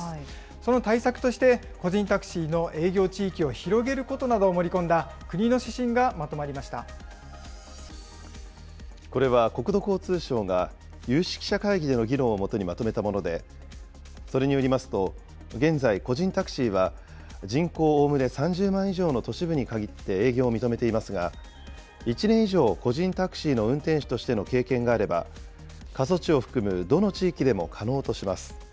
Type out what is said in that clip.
その対策として、個人タクシーの営業地域を広げることなどを盛りこれは国土交通省が有識者会議での議論をもとにまとめたもので、それによりますと、現在、個人タクシーは人口おおむね３０万以上の都市部に限って営業を認めていますが、１年以上個人タクシーの運転手としての経験があれば、過疎地を含むどの地域でも可能とします。